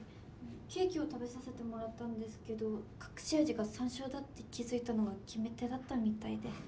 ケーキを食べさせてもらったんですけど隠し味がさんしょうだって気付いたのが決め手だったみたいで。